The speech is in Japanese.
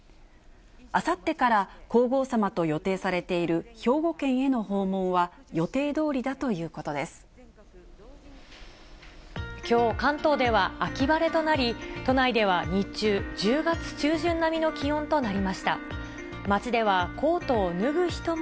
あさってから皇后さまと予定されている兵庫県への訪問は、予定どきょう、関東では秋晴れとなり、都内では日中、１０月中旬並みの気温となりました。